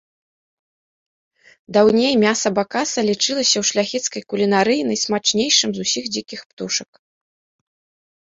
Даўней мяса бакаса лічылася ў шляхецкай кулінарыі найсмачнейшым з усіх дзікіх птушак.